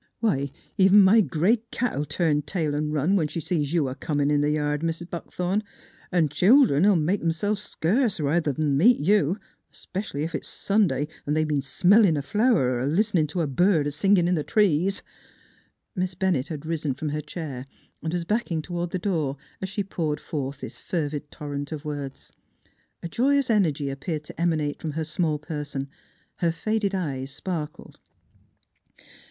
Why, even my gray cat 24 NEIGHBORS '11 turn tail an' run when she sees you a comin' in th' yard, Mis' Buckthorn; an' childern '11 make themselves skurse ruther 'n meet you, specially ef it's Sunday, an' they've been smellin' a flower er listenin' t' a bird singin' in th' trees." Miss Bennett had risen from her chair and was backing toward the door, as she poured forth this fervid torrent of words. A joyous energy ap peared to emanate from her small person; her faded eyes sparkled.